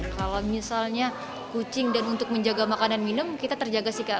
kalau misalnya kucing dan untuk menjaga makanan minum kita terjaga sih kak